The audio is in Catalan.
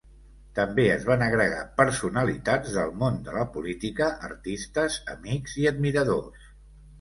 També es van agregar personalitats del món de la política, artistes, amics i admiradors.